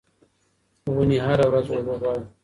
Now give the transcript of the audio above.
ونې هره ورځ اوبه غواړي.